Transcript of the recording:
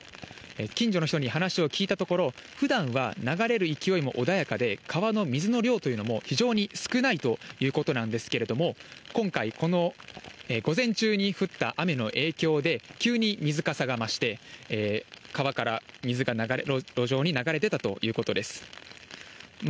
近所の人に話を聞いたところ、ふだんは流れる勢いも穏やかで、川の水の量というのも非常に少ないということなんですけれども、今回、この午前中に降った雨の影響で、急に水かさが増して、川から水が路上に流れ出たということです。